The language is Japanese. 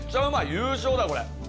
優勝だこれ！